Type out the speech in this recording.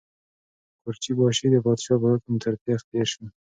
قورچي باشي د پادشاه په حکم تر تېغ تېر شو.